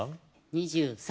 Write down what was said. ２３